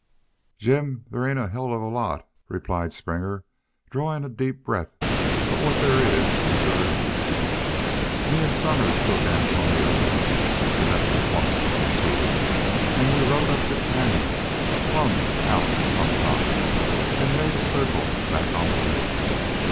"Jim, there ain't a hell of a lot," replied Springer; drawing a deep breath, "but what there is is shore interestin'.... Me an' Somers took Antonio with us. He left his woman with the sheep. An' we rode up the canyon, clumb out on top, an' made a circle back on the ridge.